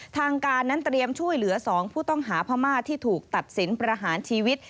ทางการนั้นเตรียมช่วยเหลือ๒ผู้ต้องหาพม่าที่ถูกตัดสินประหารชีวิต